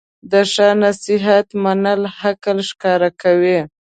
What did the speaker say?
د ښه نصیحت منل عقل ښکاره کوي.